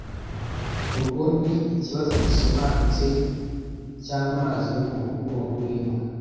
Urwo ni ikibazo gisobanutse cy "amazi yo mu mugongo w'imbwa".